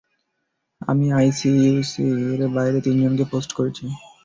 আমি আইসিইউর বাইরে তিনজনকে পোস্ট করেছি।